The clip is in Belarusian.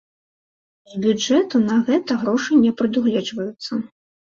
З бюджэту на гэта грошы не прадугледжваюцца.